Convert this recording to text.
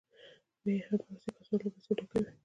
بیا یې هم بکس یا کڅوړه له پیسو ډکه وي